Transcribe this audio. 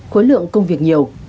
khối lượng công việc nhiều